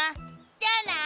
じゃあな！